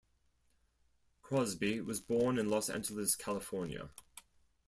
Crosby was born in Los Angeles, California.